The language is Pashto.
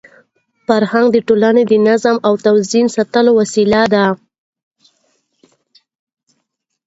فرهنګ د ټولني د نظم او توازن ساتلو وسیله ده.